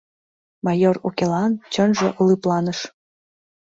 Майор Укелан чонжо лыпланыш.